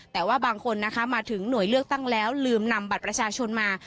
แต่ว่าบางคนนะคะมาถึงหน่วยเลือกตั้งแล้วลืมนำบัตรประชาชนมา